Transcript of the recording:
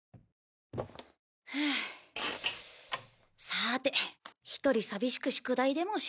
さて１人寂しく宿題でもしよう。